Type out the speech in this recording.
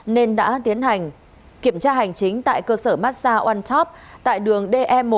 nên đã tiến hành kiểm tra hành chính tại cơ sở massage oantop tại đường de một